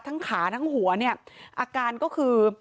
ขาทั้งหัวเนี่ยอาการก็คือ